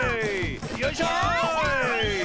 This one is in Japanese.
よいしょ！